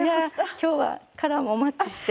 今日はカラーもマッチして。